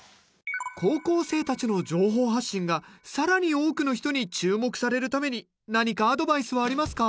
高校生たちの情報発信が更に多くの人に注目されるために何かアドバイスはありますか？